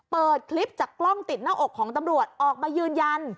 เปิดคลิปจากกล้องติดหน้าอกของตำรวจออกมายืนยัน